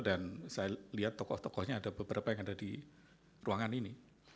dan saya lihat tokoh tokohnya ada beberapa yang ada di ruangan ini